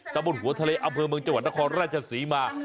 ตะบนหัวทะเลอำเภอเมืองจังหวัดนครราชศรีมา